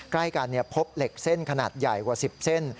ใกล้กันพบเหล็กเส้นขนาดใหญ่กว่า๑๐เส้น